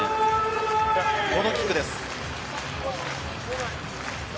このキックです。